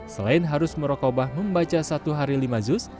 selain harus merokobah membaca satu hari lima zuz